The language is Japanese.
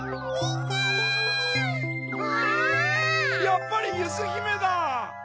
やっぱりゆずひめだ！